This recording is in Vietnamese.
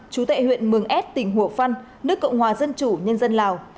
chú tệ huyện mường ảt tỉnh hủa phăn nước cộng hòa dân chủ nhân dân lào